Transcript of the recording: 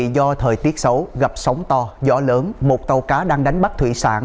do thời tiết xấu gặp sóng to gió lớn một tàu cá đang đánh bắt thủy sản